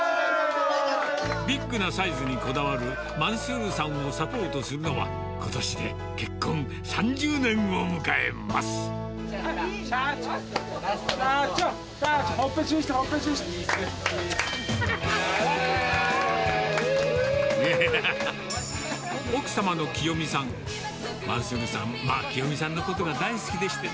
ビッグなサイズにこだわるマンスールさんをサポートするのは、社長、社長、ほっぺにチューして。